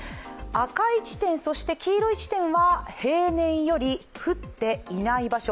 赤い地点、そして黄色い地点は平年より降っていない場所。